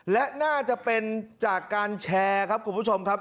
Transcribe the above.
และน่าจะเป็นจากการแชร์ครับคุณผู้ชมครับ